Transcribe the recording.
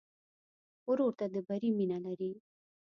ورور ته د بری مینه لرې.